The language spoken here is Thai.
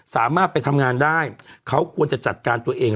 สามารถไปทำงานได้เขาควรจะจัดการตัวเอง